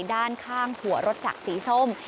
ด้านข้างถั่วรถจักรสีส้ม